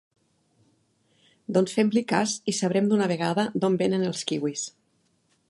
Doncs fem-li cas i sabrem d'una vegada d'on venen els kiwis.